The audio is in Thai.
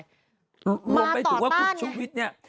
มาต่อต้านไงรวมไปถึงว่าคุณชูวิทย์เนี่ย